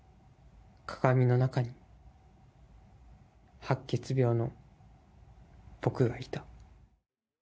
鏡の中に、白血病の僕がいた。